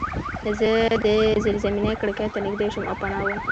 زه د زیرزمینۍ کړکۍ ته نږدې شوم او پناه وم